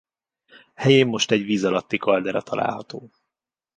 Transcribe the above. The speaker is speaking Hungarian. Helyén most egy vízalatti kaldera található.